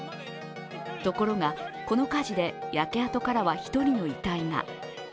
ところが、この火事で焼け跡からは１人の遺体が。